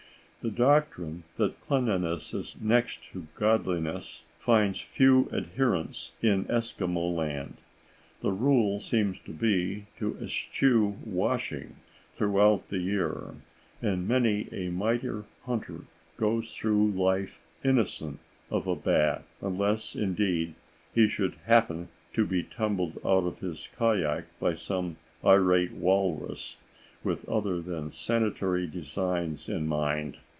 The doctrine that cleanliness is next to godliness finds few adherents in Eskimo land. The rule seems to be to eschew washing throughout the year, and many a mighty hunter goes through life innocent of a bath, unless, indeed, he should happen to be tumbled out of his kayak by some irate walrus with other than sanitary designs in mind.